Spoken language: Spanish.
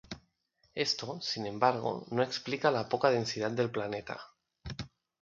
Esto, sin embargo, no explica la poca densidad del planeta.